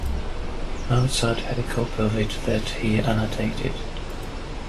Mozart had a copy of it that he annotated.